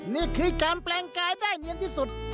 นี่คือการแปลงกายได้เนียนที่สุด